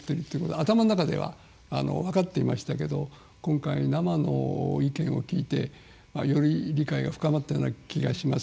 頭の中では分かっていましたが今回、生の意見を聞いてより理解が深まった気がします。